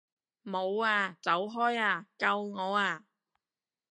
冇啊！走開啊！救我啊！